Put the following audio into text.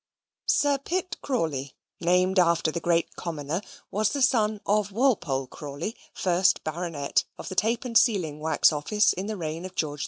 Sir Pitt Crawley (named after the great Commoner) was the son of Walpole Crawley, first Baronet, of the Tape and Sealing Wax Office in the reign of George II.